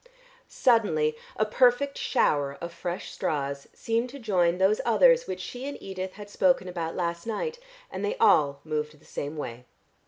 Suddenly a perfect shower of fresh straws seemed to join those others which she and Edith had spoken about last night, and they all moved the same way.